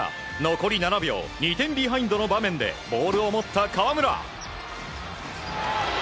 残り７秒２点ビハインドの場面でボールを持った河村。